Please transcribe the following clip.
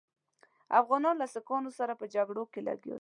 افغانان له سیکهانو سره په جګړو لګیا دي.